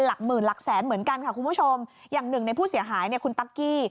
หลักหมื่นหลักแสนเหมือนกันค่ะคุณผู้ชมอย่างหนึ่งในผู้เสียหายเนี่ยคุณตั๊กกี้